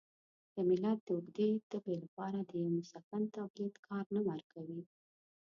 د ملت د اوږدې تبې لپاره د یوه مسکن تابلیت کار نه ورکوي.